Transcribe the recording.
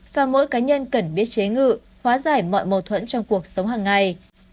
và mỗi cá nhân cần biết chế ngự hóa giải mọi mâu thuẫn trong cuộc sống hàng ngày